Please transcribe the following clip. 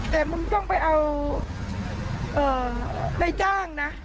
แต่มึงต้องไปเอานายจ้างนะ